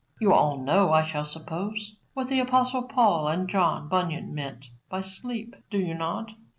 You all know, I shall suppose, what the apostle Paul and John Bunyan mean by sleep, do you not?